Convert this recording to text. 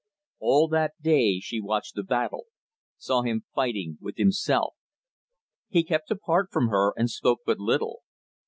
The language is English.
All that day, she watched the battle saw him fighting with himself. He kept apart from her, and spoke but little.